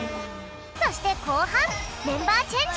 そしてこうはんメンバーチェンジ！